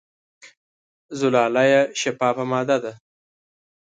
زلالیه شفافه ماده ده.